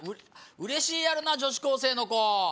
うれしいやろなぁ女子高生の子。